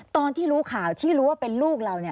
ตอนที่รู้ข่าวที่รู้ว่าเป็นลูกเรา